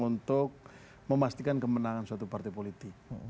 untuk memastikan kemenangan suatu partai politik